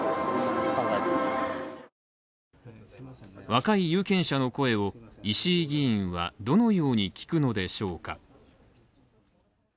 若い有権者の声を石井議員は、どのように聞くのでしょうか？